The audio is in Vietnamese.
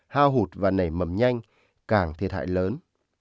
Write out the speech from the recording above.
hao hụt và nảy mầm nhanh càng thiệt hại lớn